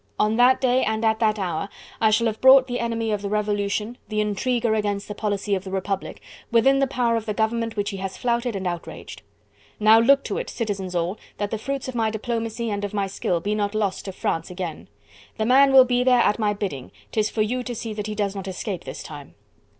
On that day and at that hour, I shall have brought the enemy of the Revolution, the intriguer against the policy of the republic, within the power of the government which he has flouted and outraged. Now look to it, citizens all, that the fruits of my diplomacy and of my skill be not lost to France again. The man will be there at my bidding, 'tis for you to see that he does not escape this time."